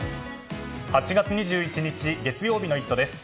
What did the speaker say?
８月２１日、月曜日の「イット！」です。